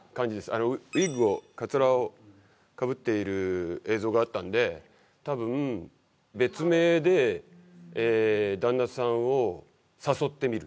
あのウィッグをかつらをかぶっている映像があったんで多分別名で旦那さんを誘ってみる